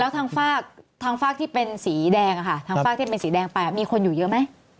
แล้วทางฝากทางฝากที่เป็นสีแดงทางฝากที่เป็นสีแดงไปมีคนอยู่เยอะไหม